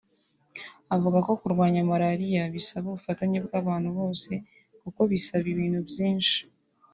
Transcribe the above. avuga ko kurwanya malariya bisaba ubufatanye bw’abantu bose kuko bisaba ibintu byinshi